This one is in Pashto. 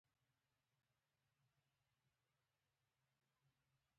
هغه وویل: د غټ شاتګ اوازې دي، دا بیا کومه کیسه ده؟